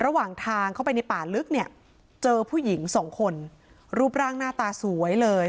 ระหว่างทางเข้าไปในป่าลึกเนี่ยเจอผู้หญิงสองคนรูปร่างหน้าตาสวยเลย